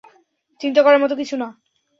চিন্তা করার মতো কিছু না।